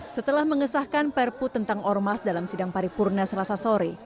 setelah mengesahkan perpu tentang ormas dalam sidang paripurna selasa sore